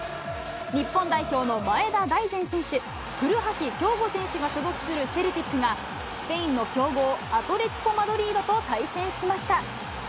日本代表の前田大然選手、古橋亨梧選手が所属するセルティックが、スペインの強豪、アトレティコ・マドリードと対戦しました。